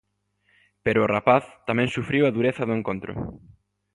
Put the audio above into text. Pero a o rapaz tamén sufriu a dureza do encontro.